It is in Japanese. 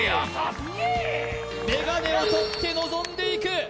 眼鏡を取って臨んでいく！